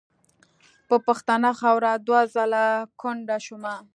په پښتنه خاوره دوه ځله کونډه شومه .